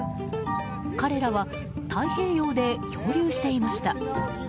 彼らは太平洋で漂流していました。